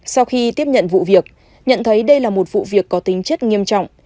sau khi tiếp nhận vụ việc nhận thấy đây là một vụ việc có tính chất nghiêm trọng